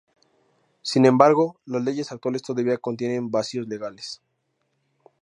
Sin embargo, las leyes actuales todavía contienen vacíos legales.